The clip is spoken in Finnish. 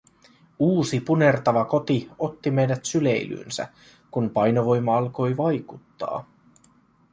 Uusi punertava koti otti meidät syleilyynsä, kun painovoima alkoi vaikuttaa.